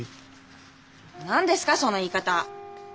何ですかその言い方。